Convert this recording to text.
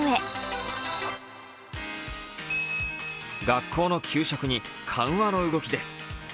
学校の給食に緩和の動きです。